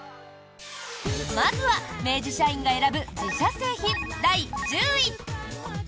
まずは、明治社員が選ぶ自社製品第１０位。